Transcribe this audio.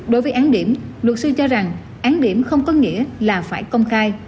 đối với án điểm luật sư cho rằng án điểm không có nghĩa là phải công khai